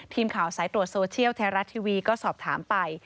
ทีมข่าวสายตรวจโซเชียลไทยรัฐทีวีก็สอบถามไป